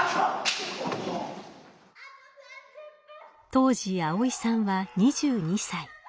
当時蒼井さんは２２歳。